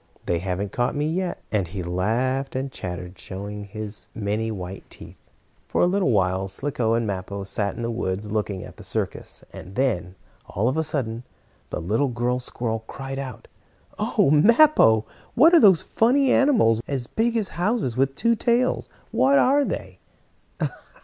They haven't caught me yet," and he laughed and chattered, showing his many, white teeth. For a little while Slicko and Mappo sat in the woods looking at the circus, and then, all of a sudden, the little girl squirrel cried out: "Oh, Mappo! What are those funny animals, as big as houses, with two tails? What are they?"